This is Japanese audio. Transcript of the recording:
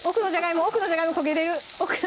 奥のじゃがいも焦げてる！